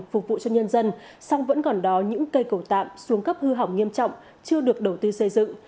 phục vụ cho nhân dân song vẫn còn đó những cây cầu tạm xuống cấp hư hỏng nghiêm trọng chưa được đầu tư xây dựng